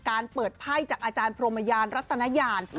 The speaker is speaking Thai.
การเปิดไพ่จากอาจารย์พรมยานรัตนญาณ